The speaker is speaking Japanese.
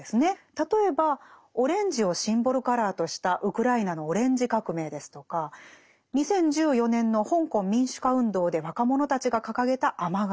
例えばオレンジをシンボルカラーとしたウクライナのオレンジ革命ですとか２０１４年の香港民主化運動で若者たちが掲げた雨傘。